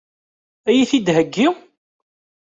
Ad iyi-t-id-theggi?